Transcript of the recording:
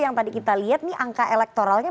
yang tadi kita lihat nih angka elektoralnya